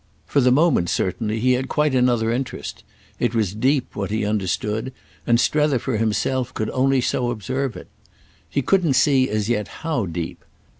For the moment certainly he had quite another interest. It was deep, what he understood, and Strether, for himself, could only so observe it. He couldn't see as yet how deep.